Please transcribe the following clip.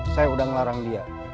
saya udah ngelarang dia